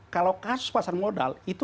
kalau kasus pasar modal itu